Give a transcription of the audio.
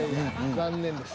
残念です。